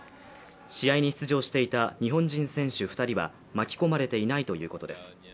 試合に出場していた日本人選手２人は巻き込まれていないということです。